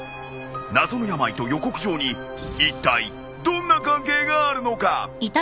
謎の病と予告状にいったいどんな関係があるのか？